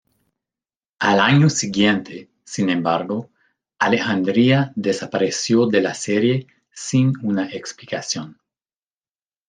Al año siguiente, sin embargo, Alejandría desapareció de la serie sin una explicación.